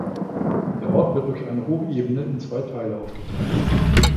Der Ort wird durch eine Hochebene in zwei Teile aufgeteilt.